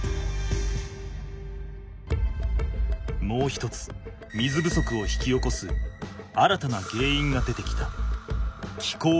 もう一つ水不足を引き起こす新たなげんいんが出てきた。